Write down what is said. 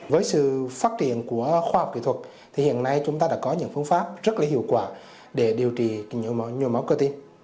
với sự phát triển của khoa học kỹ thuật hiện nay chúng ta đã có những phương pháp rất hiệu quả để điều trị nhiều mẫu cơ tim